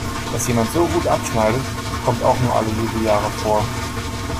Dass jemand so gut abschneidet, kommt auch nur alle Jubeljahre vor.